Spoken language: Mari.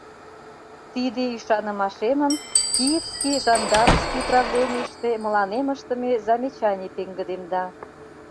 Тиде ӱшанымашемым Киевский жандармский управленийыште мыланем ыштыме замечаний пеҥгыдемда.